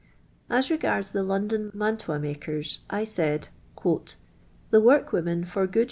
As regards the London ma ntiui makers, 1 said :—" The wurkworaen for good